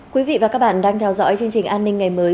quý vị và các bạn đang theo dõi chương trình an ninh ngày mới